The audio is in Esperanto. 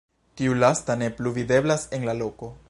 Tiu lasta ne plu videblas en la loko.